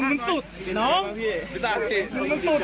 เหมือนถูกหืมมันถูก